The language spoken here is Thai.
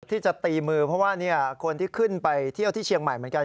ที่จะตีมือเพราะว่าคนที่ขึ้นไปเที่ยวที่เชียงใหม่เหมือนกัน